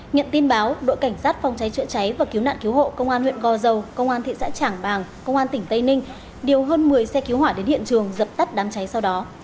nhận tin báo đội cảnh sát phòng cháy chữa cháy và cứu nạn cứu hộ công an huyện gò dầu công an thị xã trảng bàng công an tỉnh tây ninh điều hơn một mươi xe cứu hỏa đến hiện trường dập tắt đám cháy sau đó